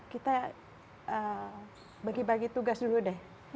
kita bagi bagi tugas dulu deh